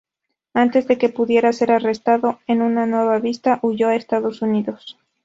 Antes de que pudiera ser arrestado en una nueva vista, huyó a Estados Unidos.